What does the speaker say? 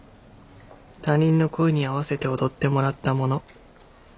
他人の声に合わせて踊ってもらったもの。